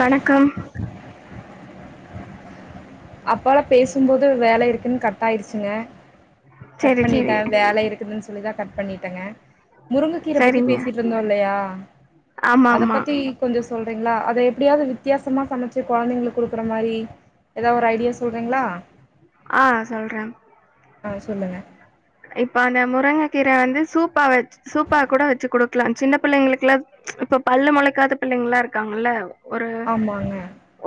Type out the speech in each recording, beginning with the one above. வணக்கம் அப்பலா பேசும்போது வேல இருக்குன் கட் டாயிருச்சுங்க கட் செரி செரி பண்ணிட்டே வேல இருக்குதுன் சொல்லிதா கட் பண்ணிட்டேங்க முருங்கக்கீர பத்தி சரிங்க பேசிட்டுருந்தோல்லையா ஆமா அத ஆமா பத்தி கொஞ்சோ சொல்றீங்ளா அத எப்டியாவது வித்தியாசமா சமச்சு கொழந்தைங்களுக்கு குடுக்குற மாரி ஏதாவ்து ஒரு ஐடியா சொல்றீங்ளா ஆ சொல்றே ஆ சொல்லுங்க இப்ப அந்த முருங்க கீர வந்து சூப்பா வச் சூப்பா கூட வச்சு குடுக்கலா சின்ன பிள்ளைங்களுக்குலா இப்ப பல்லு முளைக்காத பிள்ளைங்கல்லா இருக்காங்கல்ல ஒரு ஆமாங்க,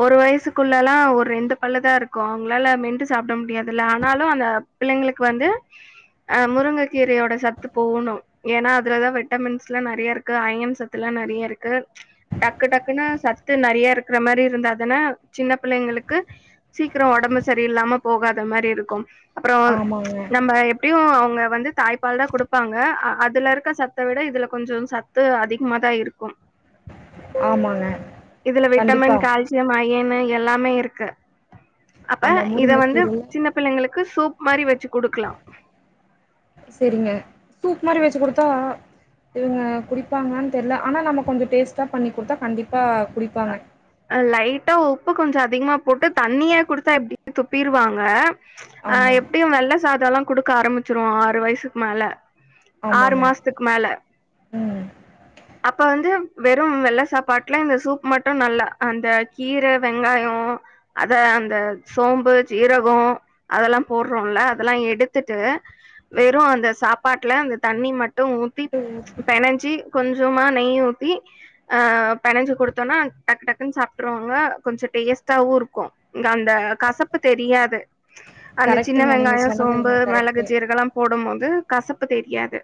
ஒரு வயசுக் ஸ்கூல்லல்லா ஒரு ரெண்டு பள்ளு தா இருக்கு அவுங்ளால மெண்டு சாப்ட முடியாதுல்ல ஆனாலு அந்த பிள்ளைங்ளுக்கு வந்து அமுருங்கக்கீரையோட சத்து போகணு ஏன்னா அதுலதா விட்டமின்ஸ்லா நெறைய இருக்கு அயன் சத்துல்லா நெறைய இருக்கு டக்கு டக்குனு சத்து நறைய இருக்குற மாரி இருந்தாதன சின்ன பிள்ளைங்களுக்கு சீக்கிர ஒடம்பு சரியில்லாம போகாத மாரி இருக்கு அப்றோ ஆமாங்க நம்ம எப்டியு அவ்ங்க வந்து தாய்ப்பால் தா கிடுப்பாங்க அதுல இருக்க சத்த விட இதுல கொஞ்சோ சத்து அதிக்மாதா இருக்கு ஆமாங்க. இதுல கண்டிப்பா. விட்டமின் கால்சியம் அ அயனு எல்லாமே இருக்கு அப்ப ஆமா இத வந்து முருங்கக்கீரைல சின்ன பிள்ளைங்களுக்கு சூப் மாரி வச்சு குடுக்கலா சரிங்க சூப் இந்த மாதிரி வச்சு கொடுத்தா இவங்க குடிப்பாங்கன்னு தெரியல ஆனா நம்ம கொஞ்சம் டேஸ்ட்டா பண்ணி கொடுத்தா கண்டிப்பாக லைட்டா உப்பு கொஞ்சம் அ அதிகமாக போட்டு தண்ணியா கொடுத்தா எப்படியும் துப்பிருவாங்க ஆஹ் ஆமா, எப்படியும் வெள்ளை சாதம் எல்லாம் குடுக்க ஆரம்பிச்சிருவோம் ஆறு வயசுக்கு மேல ஆறு ஆமாங்க. மாசத்துக்கு மேல ம் அப்ப வந்து வெறும் வெள்ள சாப்பாட்டுல இந்த சூப் மட்டும் நல்ல அந்த கீரை வெங்காயம் அத அந்த சோம்பு ஜீரகம் அதெல்லாம் போடுறோம்ல அதெல்லாம் எடுத்துட்டு வெறும் அந்த சாப்பாட்டுல அந்த தண்ணி மட்டும் ஊத்தி பெனஞ்சி கொஞ் கொஞ்சுமா நெய் ஊத்தி ஆ பெனஞ்சு குடுத். கொடுத்தோனா டக்கு டக்குன்னு சாப்ட்ருவாங்க கொஞ்சம் டேஸ்ட்டாவு இருக்கும் இங்க அந்த கசப்பு தெரியாது. அந்த சின்ன கரெக்ட்டுங்க நீங்க வெங்காயம் சொன்னதுங்க சோம்பு மெளகு கரெக்ட்டு ஜீரகலாம் போடும்போ. து கசப்பு தெரியாது.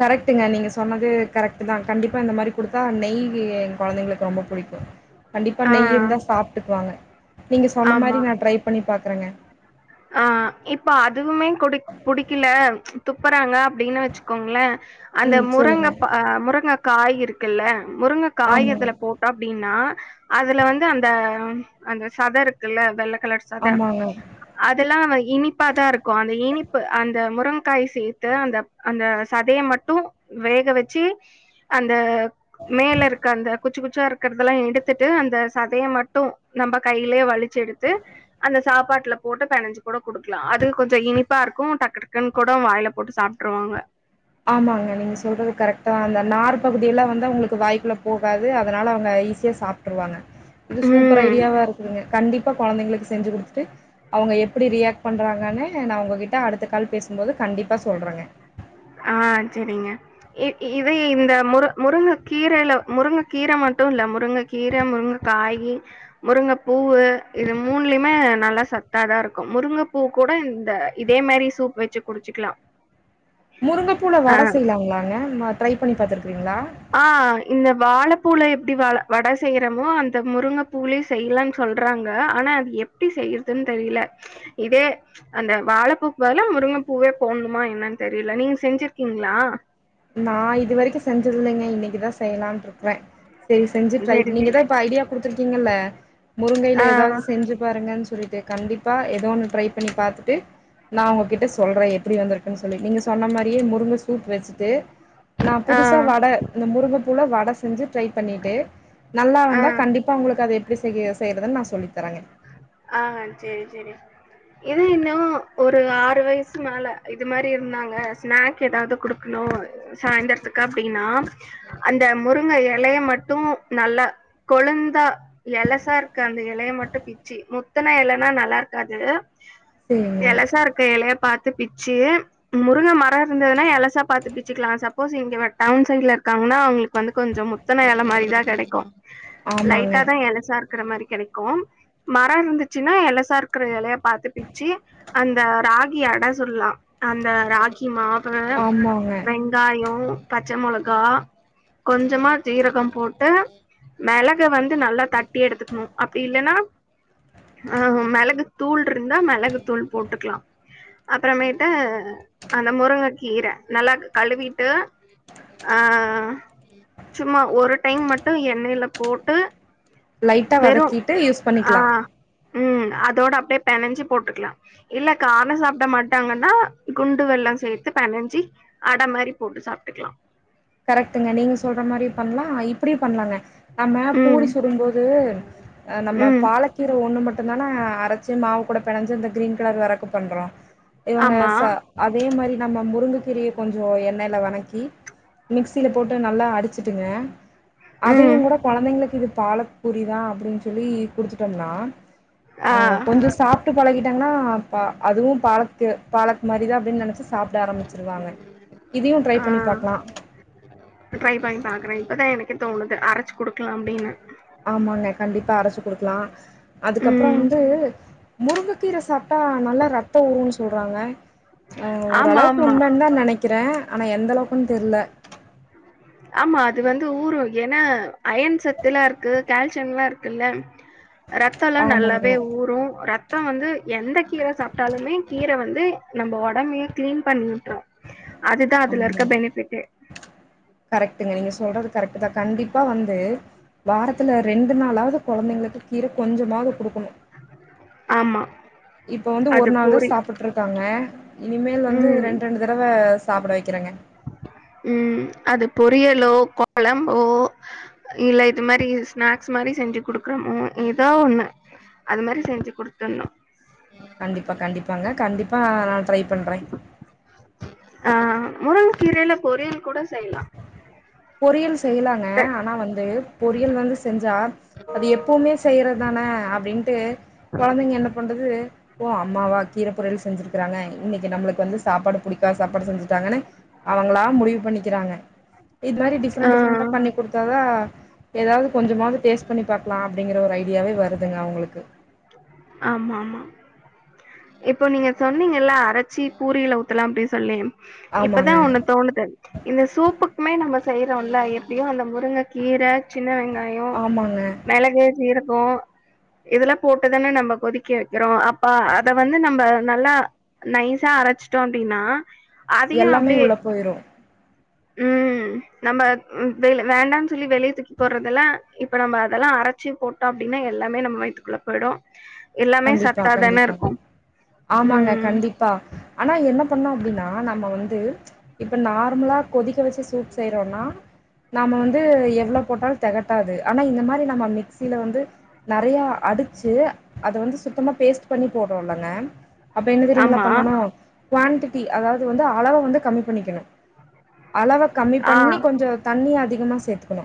கரெக்டுங்க நீங்க சொன்னது கரெக்ட்டு தான் கண்டிப்பா இந்த மாரி குடுத்தா நெய் எங் கொழந்தைங்களுக்கு ரொம்ப புடிக்கும். கண்டிப்பா ஆ நெய் இருந்தா சாப்ட்டுக்வாங்க. நீங்க சொன்ன ஆமா மாரி நா ட்ரைப்பண்ணி பாக். குறங்க ஆ இப்ப அதுவுமே குடிக் புடிக்கில துப்பறாங்க அப்டினு வச்சுக்கோங்ள அந்த ம் சொல்லுங்க முரங்கப் அ முரங்க காய் இருக்குல்ல முருங்ககாய் ஆமாங்க இதுல போட்டா அப்டினா அதில வந்து அந்த அந்த சத இருக்குல்ல வெல்ல கலர் சத ஆமாங்க எல்லா அவ இனிப்பாதாருக்கு அந்த இனிப்பு அந்த முருங்காய் சேத்து அந்தப் அந்த சதய மட்டு வேக வெச்சு அந்த மேல இருக்க அந்த குச்சி குச்சா இருக்கற்தல்லா எடுத்துட்டு அந்த சதய மட்டு நம்ப கைலே வலிச்செடுத்து அந்த சாப்பாட்ல போட்டு கூட பெனஞ்சுக்குட குடுக்லா அது கொஞ்ச இனிப்பாருக்கு டக்கு டகுன்கூட வாய்ல போட்டு சாப்ட்ருவாங்க. ஆமாங்க நீங்க சொல்றது கரக்டா அந்த நார் பகுதியலா வந்தா உங்ளுக்கு வாய்க்குல்ல போகாது அதனால அவ்ங்க ஈஸ்யா ட்ருவாங்க இது சூப்பர் ம் ஐடியாவா இருக்குதுங்க கண்டிப். ப கொழந்தைங்ளுக்கு செஞ்சு குடுத்திட்டு அவங்க எப்டி ரியாக்ட் பண்றாங்கனு நான் உங்க கிட்ட அடுத்த கால் பேசும்போது கண்டிப்பா சொல்றங்க. ஆஹ்ன் ச்சரிங்க இ இது இந்த முரு முருங்க கீரைல முருங்க கீர மட்டுல்ல முருங்கக்கீரை முருங்க காயி முருங்கப்பூவு இது மூண்லயுமே நல்லா சத்தாதாருக்கும் முருங்கப்பூ கூட இந்த இதே மாரி சூப் வச்சி குடிச்சிக்லாம். முருங்கப்பூள வட செய்லாங்களாங்க. ட்ரைப்பண்ணி பாத்திருக்றிங்ளா. ஆஹ்ன் இந்த வாழப்பூல எப்டி வாழ வட செய்யறமோ அந்த முருங்கப்பூலயு செய்யலன்னு சொல்றாங்க ஆனா அது எப்டி செய்யிறதுன்னு தெரியல இதே அந்த வாழப்பூக் பதிலா, முருங்கப்பூவே போட்ணுமா என்னன்னு தெரில நீங் செஞ்சிர்க்கிங்ளா. நா இது வரிக்கும் செஞ்சதில்லைங்க இன். னக்கு தா செய்லான்ட்ருக்க வேன் செரி செஞ்சு சரி ட்ரைப் சரி நீங்கதா இப்ப ஐடியா குடுத்ருக்கீங்கல்ல. முருங்கயில ஆ எதாவது செஞ்சு பாருங்கன் சொல்லிட்டு. கண்டிப்பா ஏதோன்னு ட்ரைப் பண்ணி பாத்திட்டு நான் உங்ககிட்ட சொல்றன் எப்டி வந்திருக்ன் சொல்லி நீங்க சொன்ன மாரியே முருங்க சூப் வச்சி. த்தே. நா ஆ புதுசா வட இந்த முருங்கப். பூல வட செஞ்சிட். ட்ரை பண்ணிட்டு நல்லா ஆ வந்தா கண்டிப்பா உங்களுக்கு அத எப். ப்டி செய்ய செய்றதுன் நா சொல்லித்தரங்கே. ஆஹ்ன் செரி செரி இது இன்னும் ஒரு ஆறு வயசு மேல இது மாரி இருந்தாங்க ஸ்நாக் எதாவது குடுக்ணும் சாய்ந்தரத்துக்கா அப்டினா அந்த முருங்க எலய மட்டு நல்லா கொளுந்தா எலசார்க்க அந்த எலய மட்டு பி. சி முத்தன இலன்னா நல்லா இருக்காது செரிங்க இலசா இருக்கன் இலையா பாத் த பிச்சு முருங்க மரம் இருந்ததுன்னா இலசா பாத்து பிச்சுக்கலா சப்போஸ் இங்க டவுன் சைட்ல இருக்காங்கன்னா அவங்களுக்கு வந்து கொஞ்ச முத்தன இல மாரி தான் கிடைக்கு ஆமாங்க லைட்டதான் இல சார் இருக்கற மாரி கிடைக்கும் மரம் இருந்துச்சுன்னா இலசா இருக்கிற இலைய பாத்து பிச்சு அந்த ராகி அட சுட்ல்லாம் அந்த ராகி மா அப்புற ஆமாங்க வெங்காயம் பச்ச மொளகா கொஞ்சமா ஜீரகம் போட்டு மிளக வந்து நல்லா தட்டி எடுத்துக்கணும் அப்படி இல்லைன்னா ஆஹ் மிளகு தூள் இருந்தா மிளகு தூள் போட்டுக்கலாம் அப்புறமேட்டு அந்த முருங்கை கீரை நல்லா கழுவிட்டு அஹ் சும்மா ஒரு டைம் மட்டு எண்ணெயில போட்டு லைட்டா வதக்கிட்டு யூஸ் பண்ணிக்கலா ஆஹ் உம் அதோட அப்படியே பனஞ்சி போட்டுக்கலாம் இல்ல காரம் சாப்பிட மாட்டாங்கன்னா குண்டு வெல்லம் சேர்த்து பனஞ்சி அடை மாரி போட்டு சாப்பிட்டுக்கலாம் கரெக்டுங்க நீங்க சொல்ற மாரி பண்ணலாம் இப்படி பண்ணலாங்க நம்ம ம் பூரி சுடும் போது அஹ் நம்ம ம் பாலக்கீரை ஒண்ணு மட் இந்தானா அரைச்சு மாவு கூட பினஞ்சு ந்து கிரீன் கலர் வரக்கு பண்றோம் இவங்க ஆமா ச அதே மாரி நம்ம முருங்கு கீரைய கொஞ்சோ எண்ணெயில வணக்கி மிக்சியில போட்டு நல்லா அடிச்சுட்டுங்க அதையு ம் கூட கொழந்தைங்களுக்கு இது பால பூரிதா அப்டின்னு சொல்லி குடுத்துட்டோம்னா ஆ கொஞ்சம் சாப்ட்டு பழகி என்னாப்பா அதுவும் பாலக்கு பாலக் மரிதா அப்படின்னு நெனைச்சு சாப்பிட ஆரம்பிச்சிருவாங்க இதையும் ட்ரை ஆ பண்ணி பாக்கலாம் ட்ரை பண்ணி பாக்குறே இப்பதா எனக்கே தோணுது அரைச்சு குடுக்கலாம் அப்டின்னு ஆமாங்க கண்டிப்பா அரைச்சு குடுக்கலா அதுக்கப்பற ம். வந்து முருங்க க்கீரை சாப்ட்டா நல்லா ரத்த ஊருனு சொல்றாங்க ஆ ஆமா, ஓரளவுக்கு ஆமா. உண்மைன்னுதா நெனைக் க்கிறே ஆனா எந்த அளவுக்குன்னு தெரில இது வந்து ஊரும் ஏன்னா அயன் சத்துல்லாம் இருக்கு கால்சியம்லா இருக்குல்ல ரத்தம் எல்லாம் ஆமாங்க நல்லாவே ஊரும் ரத் ரத்தம் வந்து எந்த கீர சாப்பிட்டாலுமே கீர வந்து நம்ம உடம்பையே கிளீன் பண்ணி விட்டும் அது க்தா அதுல இருக்க ஆமா பெனிஃபிட்டே கரெக்ட்டுங்க நீங்க சொல்றது கரெக்டு தா கண்டிப் ப்பா வந்து வாரத்துல ரெண்டு நாளாவது கொழந்தைங்களுக்கு கீரக் கொஞ்சமாவது குடுக்குணு ஆமா. இப்ப வந்து அது ஒரு நாள் தா பொரி சாப்பிட்றுக்காங்க இனிமேல் வந்து ம். ரெண்டு ரெண்டு தடவை சாப்பிட வைக்கிறங்க ம். அது பொரியலோ கொழம்போ இல்ல இது மாரி ஸ்நாக்ஸ் மாரி செஞ்சு குடுக்குறோமோ ஏதோ ஒண்ணு அது மாரி செஞ்சு குடுத்தணு கண்டிப்பா கண்டிப்பாங்க கண்டிப்பா நா ட்ரைப் பண்றே ஆ முருங் கீரையில பொரியல் கூட செய்லா பொரியல் செய்லாங்க ஆனா வந்து பொரியல் வந்து செஞ்சா அது எப்பவுமே செய்யறதுதானே அப்டின்ட்டு கொழந்தைங்க என்ன பண்றது ஓ அம்மாவா கீர பொரியல் செஞ்சிருக்கறாங்க இன்னைக்கு நம்மளுக்கு வந்து சாப்பாடு புடிக்கா சாப்பாடு செஞ்சுட்டாங்கன்னு அவங்களா முடிவு பண்ணிக்கிறாங்க இது மாரி ஆ டிஃரெண்ட் டிஃரெண்ட்ட பண்ணி கொடுத்தாதா ஏதாவது கொஞ்சமாவ பண்ணி பாக்கலா அப்டிங்கிற ஒரு ஐடியாவே வருதுங்க அவுங்களுக்கு ஆமா ஆமா இப்போ நீங்க சொன்னீங்கள்லா அரைச்சி பூரில ஊத்தலா அப்டி சொல்லி இப்பதா ஆமாங்க ஒன்னு தோணுது இந்த சூப்புக்மே நம்ம செய்றோல்ல எப்டியு அந்த முருங்க கீர சின்ன வெங்காயோ ஆமாங்க மெளகு ஜீர ப்போ இதெல்லா போட்டுதான நம்ப கொதிக்க வெக்கிறோ அப்பா அத வந்து நம்ப நல்லா நைஸா அரைச்சிட்டோ அப்டின்னா எல்லாமே உள்ள போயிரு உம் நம்ப ம் வெல வேண்டான் சொல்லி வெளிய தூக்கி போட்றதெல்லா இப்ப நம்ப அதெல்லா அரைச்சி போட்டோ அப்டினா எல்லாமே நம்ம வைய்த்துக்குள்ள போயிடு எல்லாமே கண்டிப்பா சத்தாதான கண்டிப்பாங் இருக்கு ஆமாங்க ம் கண்டிப்பா ஆனா என்ன பண்ணு அப்டினா நம்ம வந்து இப்ப நார்மலா கொதிக்க வெ சூப் செய்றோன்னா நாம வந்து எவ்ளோ போட்டாலு தெகட்டாது ஆனா இந்த மாரி நம்ம மிக்சியில வந்து நெறையா அடிச்சு அத வந்து சுத்தமா பேஸ்ட் பண்ணி போட்றோல்லங்க அப்ப என்ன தெரியீங்ளா ஆமா பண்ணணு குவான்டிட்டி அதாவது வந்து அளவ வந்து கம்மி பண்ணிக்கணு அளவ கம்மி ஆ பண்ணி கொஞ்சொ தண்ணி அதி திகமா சேத்துக்கணு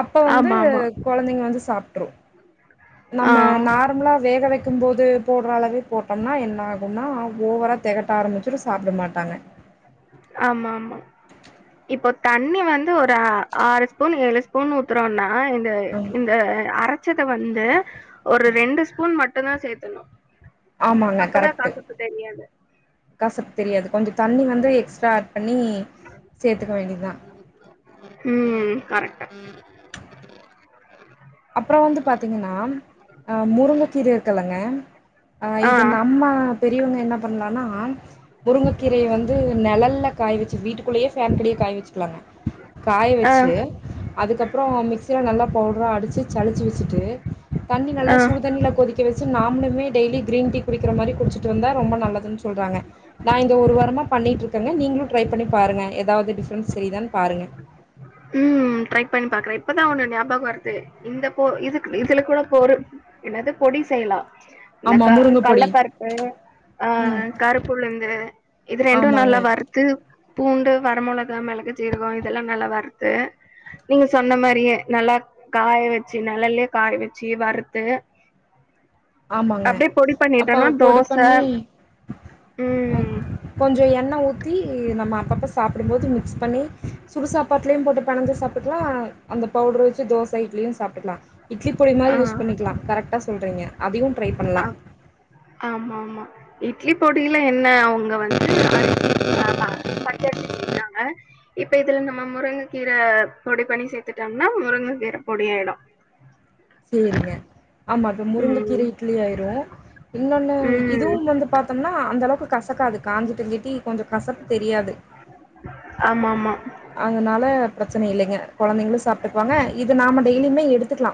அப்ப வந்து ஆமா ஆமா கொழந்தைங்க வந்து சா ற்று ஆ நம்ம நார்மலா வேக வெ க்கும் போது போட்ற அளவே போட்டம்னா என்ன ஆகுன்னா ஓவரா தெகட்ட ஆரம்பிச்சுரு சாப்ட மாட்டாங்க ஆமாம்மா இப்போ தண்ணி வந்து ஒரு அ ஆறு ஸ்பூன் ஏழு ஸ்பூன் ஊத்துறோன்னா அ இந்த இந்த அரைச்சத வந்து ஒரு ரெண்டு ஸ்பூன் ம ட்டுந்தா சேத்தனு ஆம்மாங்க கரெக்ட்டு தெரியாது கசப்பு தெரியாது கொஞ்ச தண்ணி வந்து எக்ஸ்ட்ரா ஏட் பண்ணி சேத்துக்க வேண்டிதா ம் கரெக்டா அப்றோ வந்து பாத்தீங்கன்னா அ முருங்ககீரை இருக்குல்லங்க அ ஆ இது நம்ம பெரியவங்க என்ன பண்லானா முருங்ககீரைய வந்து நெழல்ல காய வெச்சு வீட்டுக்குள்ளயே ஃபேன்கடிய காய வெச்சுக்லாங்க காய ஆ வெச்சு அதுக்கப்றோ மிக்சில நல்லா பவுட்ரா அடிச் டு சழிச்சு வெச்சுட்டு தண்ணி நல்லா ஆ சுடுதண்ணில கொதிக்க வெச்சு நாம்ளுமே டெய்லி கிரீன் டி குடிக்கிற மாரி குடிச்சிட்டு வந்தா ரொம்ப நல்லதுன் சொல்றாங்க நா இந்த ஒரு வாரமா பண்ணிட்ருக்கங்க நீங்ளு டிரை பண்ணி பாருங்க எதாவ்து டிஃப்ரண்ஸ் தெரிதான் பாருங்க உம் ட்ரை பண்ணி பாக்றே இப்பதா ஒண்ணு ஞாபக வருது இந்த பொ இதுக் இதுல கூட பொரு என்னது பொடி செய்யலா இந்த ஆமா க முருங்க பொடி கல்லப்பருப்பு அ ம் கருப்புளுந்து இது ரெண்டு ஆமாங்க நல்லா வறுத்து பூண்டு வரமொளகா மெளகு ஜீரகொ இதெல்லா நல்லா வரு து நீங்க சொன்ன மாரியே நல்லா காய வச்சு நழல்லே காய வச்சு வறுத்து ஆமாங்க அப்டியே பொடி அப்ப பண்ணிட்டோம்னா பொடி தோச பண்ணி ம். கொஞ்சோ எண்ணெ ஊத் தி நம்ம அப்பப்ப சாப்டும்போது மிக்ஸ் பண்ணி சுடு சாப்பாட்டுலயு போட்டு பணஞ்சு சாப்பிட்லா அந்த பவுடர் வச்சு தோஸ் இட்லியூ சாப்டுக்கலா இட்லி பொடி மாரி யூஸ் பண்ணிக்லா கரெக்டா சொல்றீங்க அதியும் ஆ ஆமாமா இட்லி பொடியில என்ன அவங்க வந்து [inaudible] இப்ப இதுல நம்ம முருங்கைக்கீர பொடி பண்ணி சேரத்துட்டோம்னா முருங்க கீர பொடி ஆயிடூ சேரிங்க ஆமா இப்ப ம். முருங்கக்கீர இட்லி ஆயிரூ இன்னொன்னு ம். இதுவும் வந்து பாத்தம்னா அந்தளவுக்கு கசக்காது காஞ்சிட்டு கட்டி கொஞ்சோ கசப்பு தெரியாது ஆமாமா. அதுனால ச்சன இல்லைங்க கொழந்தைங்களூ சாப்டுக்குவாங்க இது நாம டெய்லியுமே எடுத்துக்லா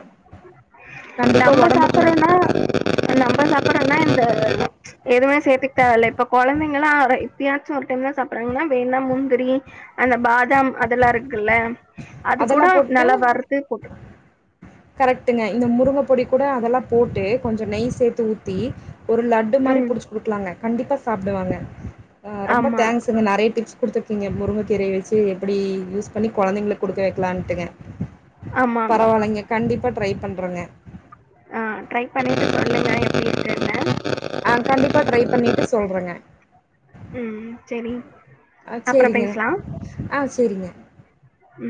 கண்டிப்பா நம்ம ஒடம்புக்கு ந சாப்பிடுறோம்னா எதூமே சேத்துக் தேவல இப்ப கொழந்தைங்கனா எப்பயாச்சு ஒரு டைம் தா சாப்றாங்கன்னா வேணுன்னா முந்திரி அந்த பாதாம் அதெல்லா இருக்குல்ல அது கூட அதெல்லாம் நல்லா வறுத்து போட்டு கரெக்டுங்க இந்த முருங்க பொடி கூட அதெல்லா போட்டு கொஞ்சோ நெய் சேத்து ஊத்தி ஒரு லட்டு மாரி ம். புடிச்சு குடுக்லாங்க கண்டிப்பா சாப்பிடுவாங்க ரொம்ப ஆமா. தேங்க்ஸ்ங்க நறைய டிப்ஸ் குடுத்து கீங்க முருங்கக்கீரைய வச்சு எப்டி யூஸ் பண்ணி கொழந்தைங்களுக் கொடுக்க வைக்கலான்ட்டுங்க ஆமாமா. பரவாலைங்க ட்ரை பண்றேங்க ஆ ட்ரை பண்ணிட்டு சொல்லுங்க எப்டி இருக்குன்னு ஆ கண்டிப்பா ட்ரை பண்ணிட்டு சொல்றங்க ம் செரி அ அப்றோ செரிங்க பேசலா ஆ செரிங்க ம்